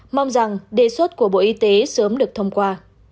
mong rằng đề xuất của bộ y tế sớm được thông qua